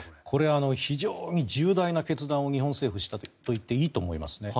これ、非常に重大な決断を日本政府はしたといっていいと思います。